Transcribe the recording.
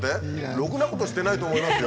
ろくなことしてないと思いますよ。